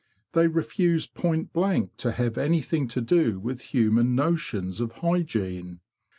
They refuse point blank to have anything to do with human notions of hygiene.